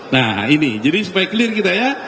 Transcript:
nah ini jadi supaya clear kita ya